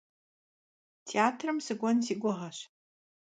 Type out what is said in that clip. Têatrım sık'uen si guğeş.